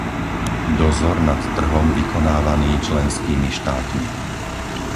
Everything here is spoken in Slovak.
dozor nad trhom vykonávaný členskými štátmi,